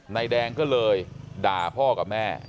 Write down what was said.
นายแดงก็เลยด่าพ่อกับแม่